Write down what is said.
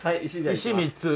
石３つ。